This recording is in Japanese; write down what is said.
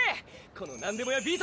この何でも屋ビート